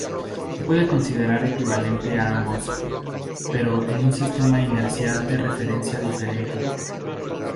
Se puede considerar equivalente a ambos, pero en un sistema inercial de referencia diferente.